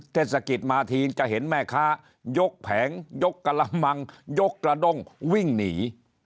เทศกิจมาทีนจะเห็นแม่ค้ายกแผงยกกระมังยกกระด้งวิ่งหนี